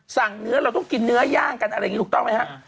เนื้อเราต้องกินเนื้อย่างกันอะไรอย่างนี้ถูกต้องไหมฮะ